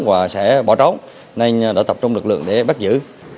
và sẽ bỏ trốn nên đã tập trung lực lượng để bắt giữ